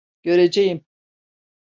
Göreceğim.